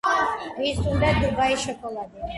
ვის უნდა დუბაის შოკოლადი